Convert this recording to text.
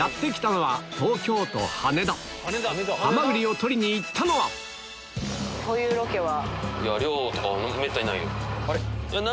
ハマグリを採りに行ったのは・こういうロケは？